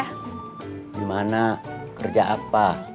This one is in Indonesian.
dimana kerja apa